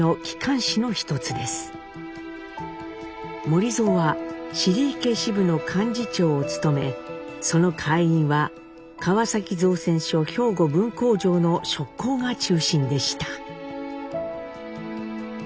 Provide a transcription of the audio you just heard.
守造は尻池支部の幹事長を務めその会員は川崎造船所兵庫分工場の職工が中心でした。